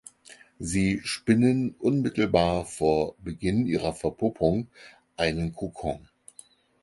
Sie spinnen unmittelbar vor Beginn ihrer Verpuppung ein Kokon.